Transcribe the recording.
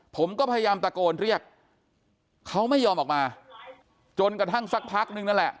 ผมก็พยายามตะโกนเรียกเขาไม่ยอมออกมาจนกระทั่งสักพักนึงนั่นแหละ